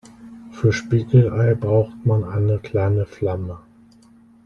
Für Spiegelei braucht man eine kleine Flamme.